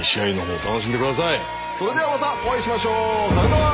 それではまたお会いしましょう。さようなら！